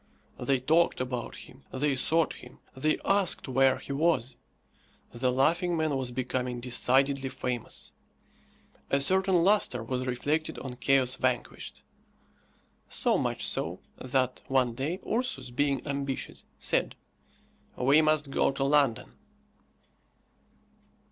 They talked about him, they sought him, they asked where he was. The laughing man was becoming decidedly famous. A certain lustre was reflected on "Chaos Vanquished." So much so, that, one day, Ursus, being ambitious, said, "We must go to London."